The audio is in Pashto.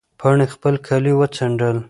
پاڼې خپل کالي وڅنډل.